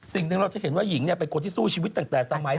สิ่งหนึ่งเราจะเห็นว่าหญิงเป็นคนที่สู้ชีวิตตั้งแต่สมัย